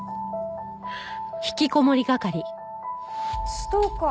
ストーカー？